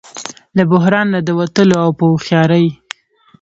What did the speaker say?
له بحران نه د وتلو او په هوښیارۍ